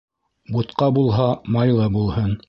Бутҡа булһа, майлы булһын